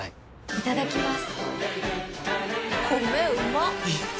いただきまーす。